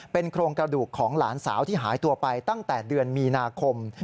โครงกระดูกของหลานสาวที่หายตัวไปตั้งแต่เดือนมีนาคม